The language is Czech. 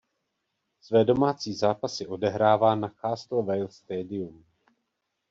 Své domácí zápasy odehrává na Castle Vale Stadium.